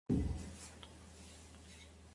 Sigue caminando, cantando la canción en sí.